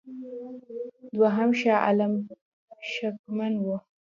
دوهم شاه عالم شکمن وو.